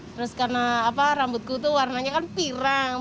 terus karena rambutku itu warnanya kan pirang